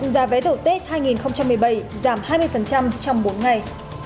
giá vé đầu tết hai nghìn một mươi bảy giảm hai mươi trong bốn ngày